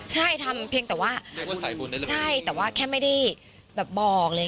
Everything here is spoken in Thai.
ใช่แต่ว่าไม่ได้บอกเลยนะ